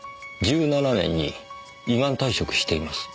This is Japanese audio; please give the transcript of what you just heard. １７年に依願退職しています。